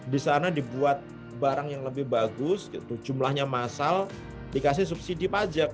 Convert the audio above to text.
di sana dibuat barang yang lebih bagus jumlahnya masal dikasih subsidi pajak